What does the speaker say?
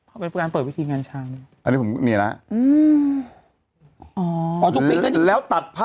อ่าเที่ยวเปิดวิธีการทางมาครับแล้ว